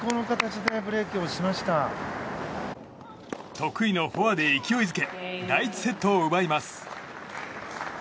得意のフォアで勢いづけ第１セットを奪います。